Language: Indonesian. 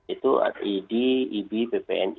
itu rid ib bpni patelki